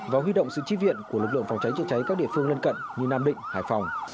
và huy động sự tri viện của lực lượng phòng cháy chữa cháy các địa phương lân cận như nam định hải phòng